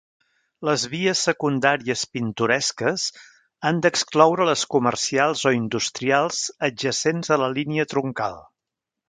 Les vies secundàries pintoresques han d'excloure les comercials o industrials adjacents a la línia troncal.